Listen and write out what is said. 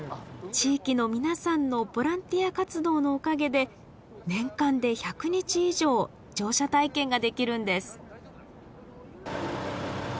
地域の皆さんのボランティア活動のおかげで年間で１００日以上乗車体験ができるんです。